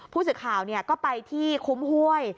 ผู้สื่อข่าวก็ไปที่คุ้มห้วย